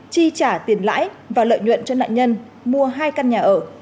chi trả tiền lãi và lợi nhuận cho nạn nhân mua hai căn nhà ở